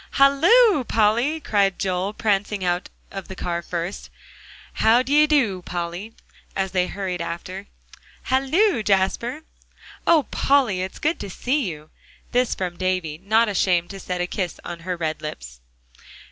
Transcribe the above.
"Halloo, Polly!" cried Joel, prancing out of the car first, and "How d'ye do, Polly?" as they all hurried after. "Halloo, Jasper!" "Oh, Polly! it's good to see you!" This from Davie, not ashamed to set a kiss on her red lips.